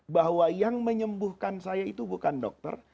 bahwa yang menyembuhkan saya itu bukan dokter